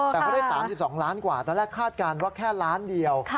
แต่เขาได้๓๒ล้านกว่าตอนแรกคาดการณ์ว่าแค่ล้านเดียว